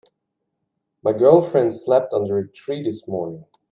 My girlfriend slept under a tree this morning.